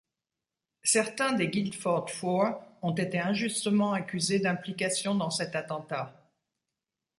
Certains des Guildford Four ont été injustement accusés d'implication dans cet attentat.